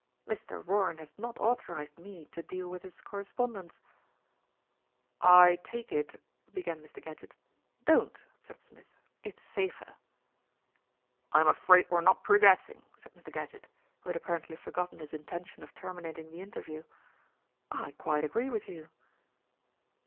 "Mr. Warren has not authorised me to deal with his correspondence." "I take it " began Mr. Gadgett. "Don't!" said Smith, "it's safer." "I am afraid we are not progressing," said Mr. Gadgett, who had apparently forgotten his intention of terminating the interview. "I quite agree with you."